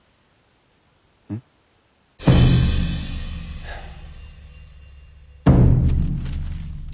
うん？はあ。